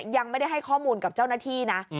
ยังไม่ได้ให้ข้อมูลกับเจ้าหน้าที่นะ